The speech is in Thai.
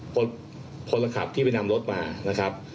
คนคนละขับที่ไปนำรถมานะครับ